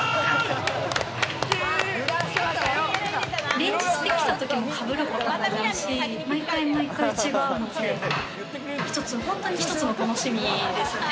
連日で、きた時もかぶることがないし、毎回毎回違うので、本当に一つの楽しみですね。